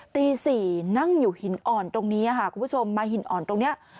ตี๔นั่งอยู่หินอ่อนตรงนี้ค่ะคุณผู้ชมมาหินอ่อนตรงนี้